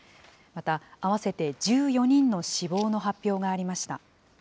また、合わせて１４人の死亡の発表がありました。